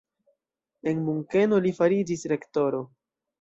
En Munkeno li fariĝis rektoro.